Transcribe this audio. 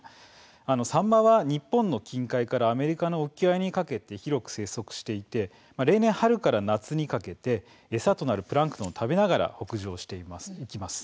サンマは、日本の近海からアメリカの沖合にかけて広く生息していて例年、春から夏にかけて餌となるプランクトンを食べながら北上していきます。